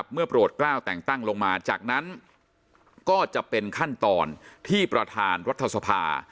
โปรดกล้าวแต่งตั้งลงมาจากนั้นก็จะเป็นขั้นตอนที่ประธานรัฐสภา